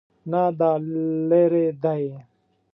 نه، دا لیرې دی